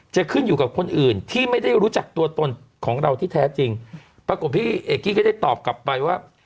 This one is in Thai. จะขึ้นอยู่กับคนอื่นที่ไม่ได้รู้จักตัวตนของเราที่แท้จริงปรากฏพี่เอกกี้ก็ได้ตอบกลับไปว่า